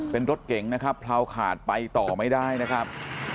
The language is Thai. เป็นรถเก่งนะครับพราวขาดไปต่อไม่ได้นะครับ